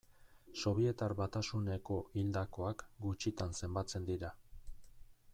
Sobietar Batasuneko hildakoak gutxitan zenbatzen dira.